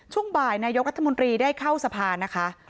ช่วงบ่ายนายกรัฐมนตรีได้เข้าสภานะคะ